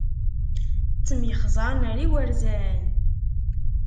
Ttemyexzaren ar igerzan.